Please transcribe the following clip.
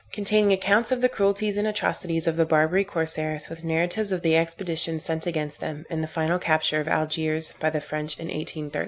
_Containing accounts of the cruelties and atrocities of the Barbary Corsairs, with narratives of the expeditions sent against them, and the final capture of Algiers by the French in_ 1830.